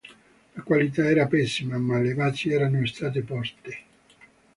La qualità era pessima, ma le basi erano state poste.